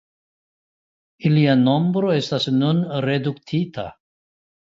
Ilia nombro estas nun reduktita.